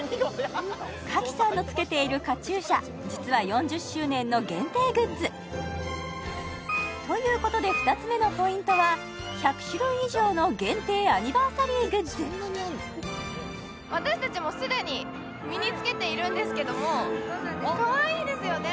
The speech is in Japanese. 賀喜さんの着けているカチューシャ実はということで２つ目のポイントは１００種類以上の限定アニバーサリーグッズ私たちも既に身に着けているんですけどもかわいいですよね